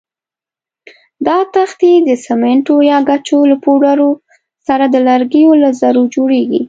دا تختې د سمنټو یا ګچو له پوډرو سره د لرګیو له ذرو جوړېږي.